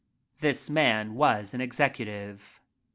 This man was an executive.